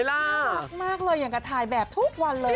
รักมากเลยอย่างกับถ่ายแบบทุกวันเลย